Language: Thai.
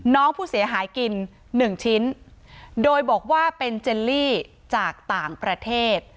น้องผู้เสียหายกินหนึ่งชิ้นโดยบอกว่าเป็นเจลลี่จากต่างประเทศ